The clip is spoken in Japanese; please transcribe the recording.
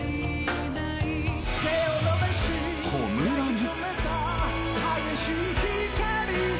［『炎』に］